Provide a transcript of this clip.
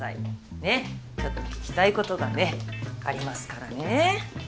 ちょっと聞きたいことがねありますからね。